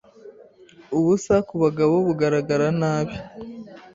ubusa kubagabo bugaragara nabi